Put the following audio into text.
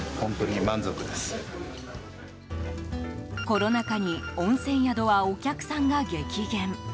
コロナ禍に、温泉宿はお客さんが激減。